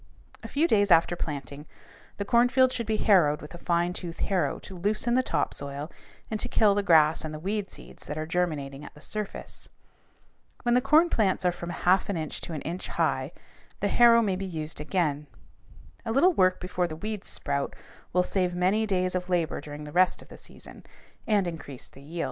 A few days after planting, the cornfield should be harrowed with a fine tooth harrow to loosen the top soil and to kill the grass and the weed seeds that are germinating at the surface. When the corn plants are from a half inch to an inch high, the harrow may again be used. A little work before the weeds sprout will save many days of labor during the rest of the season, and increase the yield.